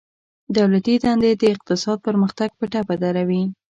دولتي دندي د اقتصاد پرمختګ په ټپه دروي